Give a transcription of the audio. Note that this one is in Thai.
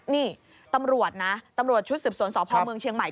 นี่ตำรวจนะตำรวจชุดสืบสวนสพเมืองเชียงใหม่